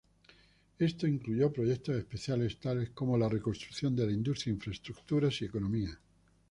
Esto incluyó proyectos especiales, tales como la reconstrucción de la industria, infraestructuras, y economía.